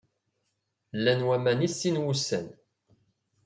Llan waman i sin wussan.